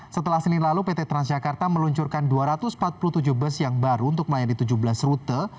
setelah senin lalu pt transjakarta meluncurkan dua ratus empat puluh tujuh bus yang baru untuk melayani tujuh belas rute